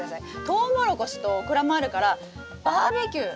トウモロコシとオクラもあるからバーベキュー！